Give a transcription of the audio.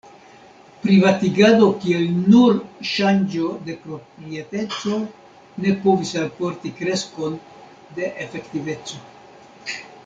Privatigado kiel nur ŝanĝo de proprieteco ne povis alporti kreskon de efektiveco.